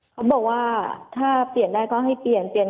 เขาบอกว่าถ้าเปลี่ยนได้ก็ให้เปลี่ยนเปลี่ยน